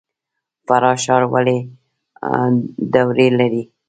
فراه ښار ولې دوړې لري؟